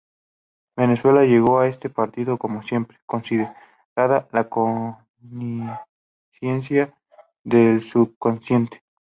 Venezuela llegó a este partido, como siempre, considerada "La Cenicienta" del subcontinente.